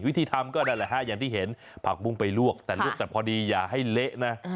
วิธีทำก็นั่นแหละฮะอย่างที่เห็นผักบุ้งไปลวกแต่ลวกแต่พอดีอย่าให้เละนะ